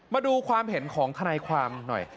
มาดูความเห็นของทนายความหน่อย